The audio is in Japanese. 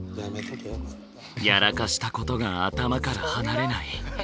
やらかしたことが頭から離れない。